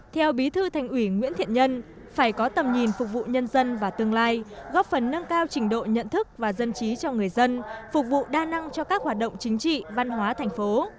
theo bí thư thành ủy nguyễn thiện nhân phải có tầm nhìn phục vụ nhân dân và tương lai góp phần nâng cao trình độ nhận thức và dân trí cho người dân phục vụ đa năng cho các hoạt động chính trị văn hóa thành phố